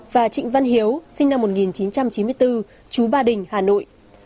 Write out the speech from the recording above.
và trịnh văn hiếu sinh năm một nghìn chín trăm chín mươi bốn chú ba đình hà nội